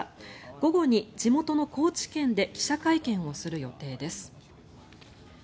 午後に地元の高知県で記者会見をする予定です。